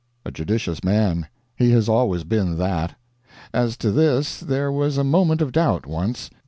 A judicious man. He has always been that. As to this there was a moment of doubt, once.